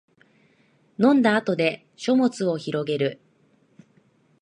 飲んだ後で書物をひろげる